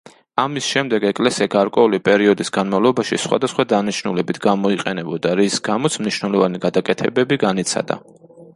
ამის შემდეგ ეკლესია გარკვეული პერიოდის განმავლობაში სხვადასხვა დანიშნულებით გამოიყენებოდა, რის გამოც მნიშვნელოვანი გადაკეთებები განიცადა.